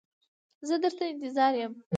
زه در ته انتظار یم.